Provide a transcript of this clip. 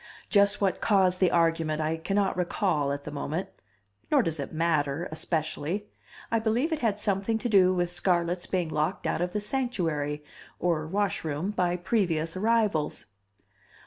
Just what caused the argument I cannot recall at the moment. Nor does it matter especially. I believe it had something to do with Scarlett's being locked out of the Sanctuary, or Washroom, by previous arrivals.